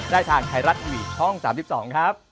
ได้ทางไทยรัฐทีวีช่อง๓๒ครับ